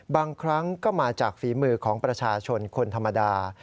บางครั้งก็มาจากฝีมือของประชาชนคนธรรมดา